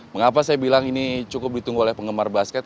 mengapa saya bilang ini cukup ditunggu oleh penggemar basket